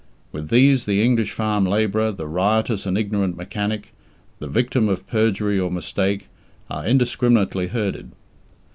With these the English farm labourer, the riotous and ignorant mechanic, the victim of perjury or mistake, are indiscriminately herded.